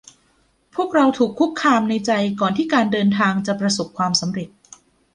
พวกเราถูกคุกคามในใจก่อนที่การเดินทางจะประสบความสำเร็จ